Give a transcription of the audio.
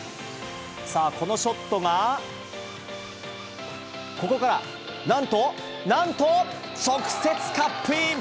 さあ、このショットが、ここから、なんと、なんと、直接カップイン！